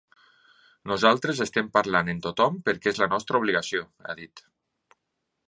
“Nosaltres estem parlant amb tothom perquè és la nostra obligació”, ha dit.